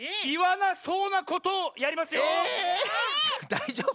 ⁉だいじょうぶ？